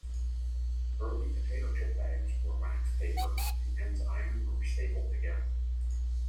Early potato chip bags were wax paper with the ends ironed or stapled together.